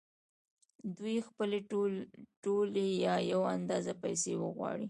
دوی خپلې ټولې یا یوه اندازه پیسې وغواړي